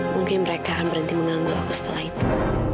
mungkin mereka akan berhenti mengganggu aku setelah itu